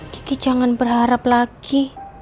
kiki jangan berharap lagi